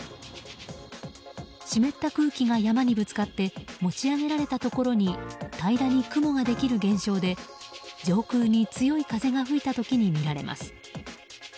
湿った空気が山にぶつかって持ち上げられたところに平らに雲ができる現象で上空に強い風が吹いた時に見られます。